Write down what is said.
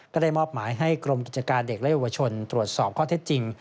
ก็ได้มอบหมายให้กรมกิจการเด็กและเยาวชนตรวจสอบข้อเท็จจริง